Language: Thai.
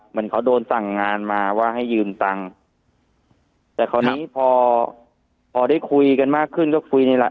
เหมือนเขาโดนสั่งงานมาว่าให้ยืมตังค์แต่คราวนี้พอพอได้คุยกันมากขึ้นก็คุยนี่แหละ